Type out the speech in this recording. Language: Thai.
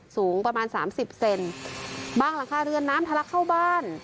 สูงประมาณสามสิบเซนบางหลังคาเรือนน้ำทะลักเข้าบ้าน